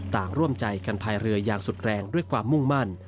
ร่วมใจกันพายเรืออย่างสุดแรงด้วยความมุ่งมั่น